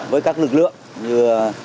với các lực lượng như